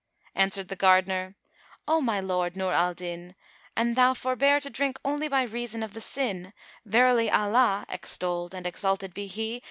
Answered the gardener, "O my Lord Nur al Din, an thou forbear to drink only by reason of the sin, verily Allah (extolled and exalted be He!)